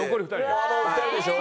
あの２人でしょ？